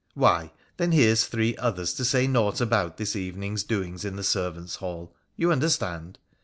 ' Why, then, here's three others to say naught about this evening's doings in the servants' hall. You understand